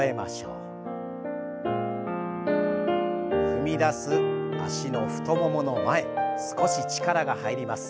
踏み出す脚の太ももの前少し力が入ります。